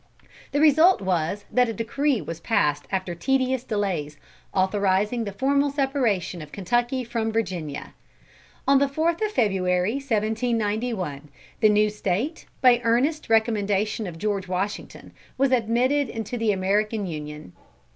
The result was, that a decree was passed after tedious delays, authorising the formal separation of Kentucky from Virginia. On the fourth of February, 1791, the new State, by earnest recommendation of George Washington, was admitted into the American Union.